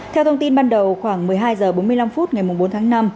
theo thông tin ban đầu khoảng một mươi hai h bốn mươi năm phút ngày bốn tháng năm